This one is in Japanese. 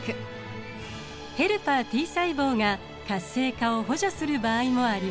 ヘルパーＴ細胞が活性化を補助する場合もあります。